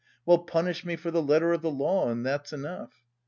Well, punish me for the letter of the law... and that's enough.